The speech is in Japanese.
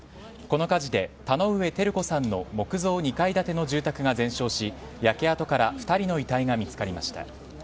この火事で、田上輝子さんの木造２階建ての住宅が全焼し焼け跡から２人の遺体が見つかりました。